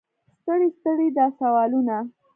ستړي ستړي دا سوالونه.